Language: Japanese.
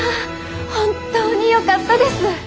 本当によかったです。